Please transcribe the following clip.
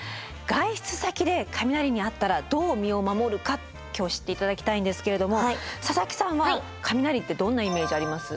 外出先で雷に遭ったらどう身を守るか今日は知って頂きたいんですけれども佐々木さんは雷ってどんなイメージあります？